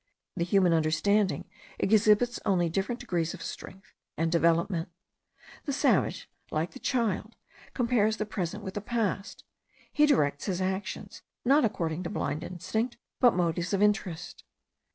The human understanding exhibits only different degrees of strength and development. The savage, like the child, compares the present with the past; he directs his actions, not according to blind instinct, but motives of interest.